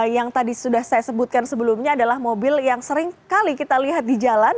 yang tadi sudah saya sebutkan sebelumnya adalah mobil yang seringkali kita lihat di jalan